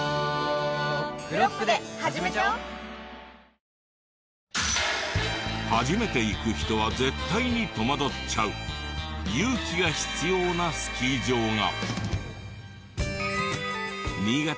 三菱電機初めて行く人は絶対に戸惑っちゃう勇気が必要なスキー場が。